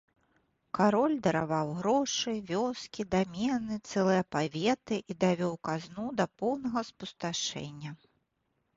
Кароль дараваў грошы, вёскі, дамены, цэлыя паветы, і давёў казну да поўнага спусташэння.